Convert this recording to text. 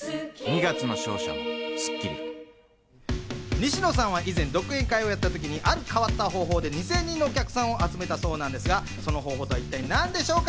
西野さんは以前、独演会をやったときにある変わった方法で２０００人のお客さんを集めたそうなんですが、その方法とは一体何でしょうか？